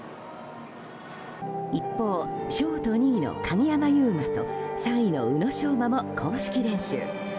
一方、ショート２位の鍵山優真と３位の宇野昌磨も公式練習。